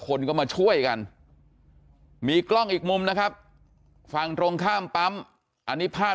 คนก็มาช่วยกันมีกล้องอีกมุมนะครับฝั่งตรงข้ามปั๊มอันนี้ภาพ